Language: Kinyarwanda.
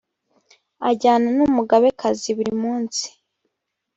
ajyana n umugabekazi buri munsi